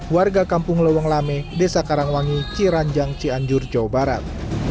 warga kampung lewanglame desa karangwangi ciranjang cianjur jawa barat